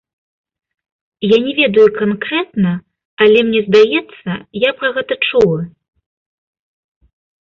Я не ведаю канкрэтна, але мне здаецца, я пра гэта чула.